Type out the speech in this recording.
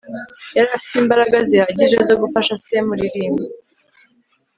yari afite imbaraga zihagije zo gufasha se muririma